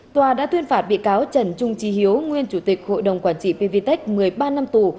tòa đã tuyên phạt bị cáo trần trung trí hiếu nguyên chủ tịch hội đồng quản trị pvtec một mươi ba năm tù